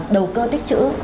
đầu cơ tích chữ